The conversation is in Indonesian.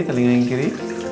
telinga yang kiri